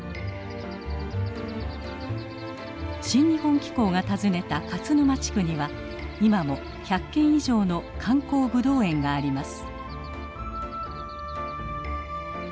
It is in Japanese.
「新日本紀行」が訪ねた勝沼地区には今も１００軒以上の観光ブドウ園があります。